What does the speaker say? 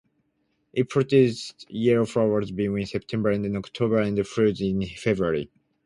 It produces yellow flowers between September and October and fruits in February.